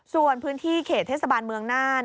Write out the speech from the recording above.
ส่วนพื้นที่เขตเทศบาลเมืองน่าน